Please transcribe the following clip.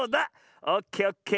オッケーオッケー。